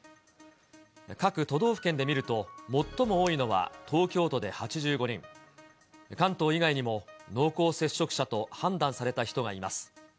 各都道府県で見ると、最も多いのは東京都で８５人、関東以外にも、濃厚接触者と判断された人がいます。